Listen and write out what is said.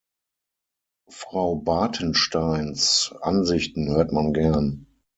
Frau Bartensteins Ansichten hört man gern.